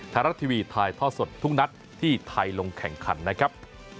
ไทยรัฐทีวีถ่ายทอดสดทุกนัดที่ไทยลงแข่งขันนะครับ